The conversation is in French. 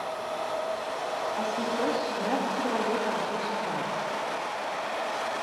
Asclepios meurt foudroyé par Zeus en colère.